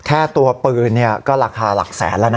แค่ตัวปืนก็ราคาหลักแสนแล้วนะ